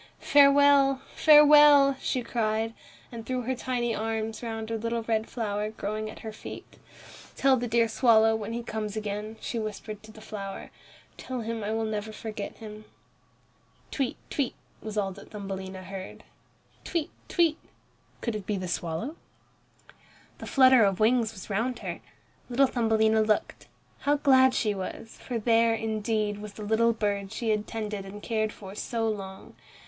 "Farewell, farewell!" she cried, and threw her tiny arms round a little red flower growing at her feet. "Tell the dear swallow, when he comes again," she whispered to the flower, "tell him I will never forget him." "Tweet, tweet!" what was that Thumbelina heard? "Tweet, tweet!" Could it be the swallow? The flutter of wings was round her. Little Thumbelina looked. How glad she was, for there, indeed, was the little bird she had tended and cared for so long.